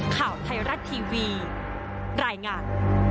ข่าวไทยรัฐทีวีรายงาน